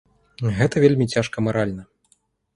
Гэта вельмі цяжка маральна.